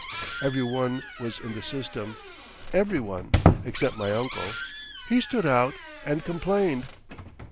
Every one was in the system, every one—except my uncle. He stood out and complained.